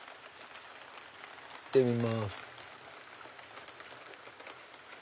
行ってみます。